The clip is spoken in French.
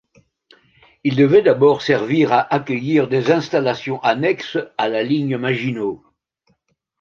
Il devait d'abord servir à accueillir des installations annexes à la ligne Maginot.